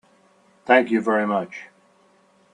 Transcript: Thank you very much.